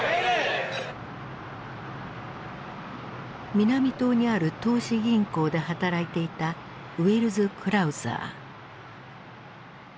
南棟にある投資銀行で働いていたウェルズ・クラウザー。